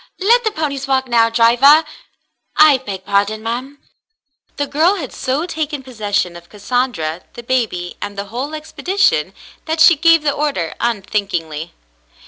Let the ponies walk now, driver. I beg pardon, ma'm." The girl had so taken possession of Cassandra, the baby, and the whole expedition, that she gave the order unthinkingly.